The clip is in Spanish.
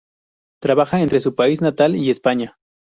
Trabaja entre su país natal y España.